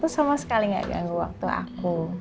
sama sekali gak ganggu waktu aku